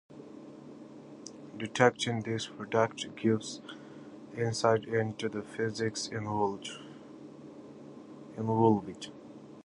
Detecting these products gives insight into the physics involved.